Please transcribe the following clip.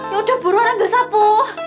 yaudah buruan ambil sapu